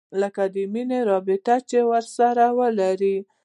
لکه د مينې رابطه چې ورسره ولري.